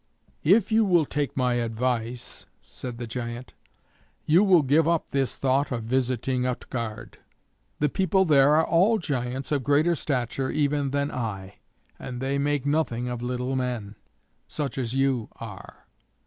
"If you will take my advice," said the giant, "you will give up this thought of visiting Utgard. The people there are all giants of greater stature even than I, and they make nothing of little men, such as you are.